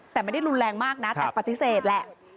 แต่ไม่ได้รุนแรงมากนะแต่ปฏิเสธแหละ